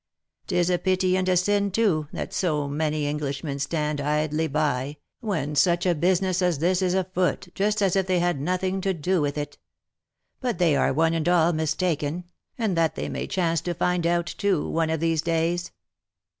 'Tis a pity and a sin too, that so many Englishmen stand idly by, when such a business as this is afoot, just as if they had nothing to do with it. But they are one and all mistaken, and that they may chance to find out, too, one of these days."